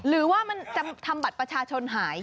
หรือว่ามันจะทำบัตรประชาชนหาย